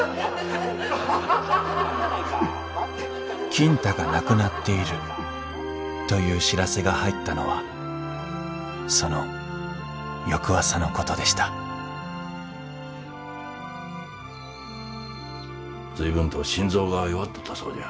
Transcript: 金太が亡くなっているという知らせが入ったのはその翌朝のことでした随分と心臓が弱っとったそうじゃ。